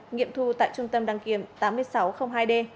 nghiệm thu tại trung tâm đăng kiểm tám nghìn sáu trăm linh hai d